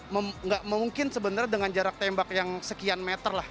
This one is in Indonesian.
tidak mungkin sebenarnya dengan jarak tembak yang sekian meter lah